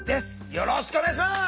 よろしくお願いします。